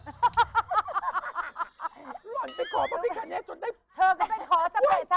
หรือหนูล่อนไปขอพระพิคเนธจนได้